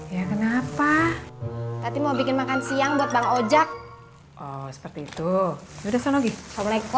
ya di sini pengisian sayuran ya